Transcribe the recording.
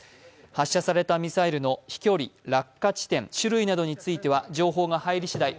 発射されたミサイルの飛距離、落下地点、種類などについては情報が入りしだい